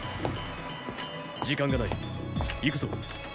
時間がない行くぞ。